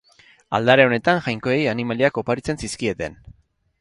Aldare honetan jainkoei animaliak oparitzen zizkieten.